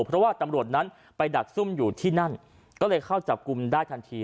เพราะว่าตำรวจนั้นไปดักซุ่มอยู่ที่นั่นก็เลยเข้าจับกลุ่มได้ทันที